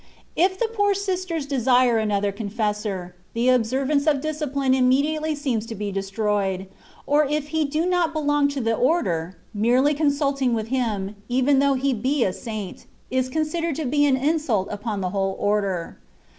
I? the po^r sisters desire another confessor, the observance of discipline immediately seems to be destroyed ; or if he do not belong to the Order, merely consulting with him, even though he be a saint, is considered to be an in sult upon the whole Order.